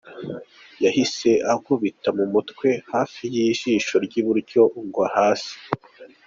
Yahise ankubita mu mutwe hafi y’ijisho ry’iburyo, ngwa hasi.